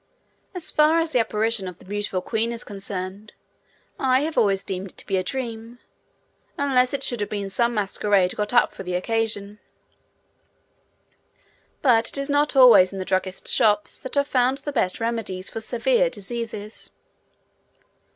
As far as the apparition of the beautiful queen is concerned, I have always deemed it to be a dream, unless it should have been some masquerade got up for the occasion, but it is not always in the druggist's shop that are found the best remedies for severe diseases.